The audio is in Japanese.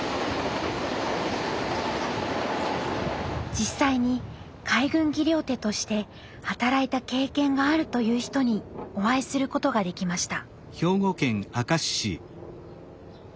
実際に海軍技療手として働いた経験があるという人にお会いすることができました。